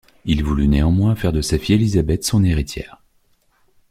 Il voulut néanmoins faire de sa fille Élisabeth son héritière.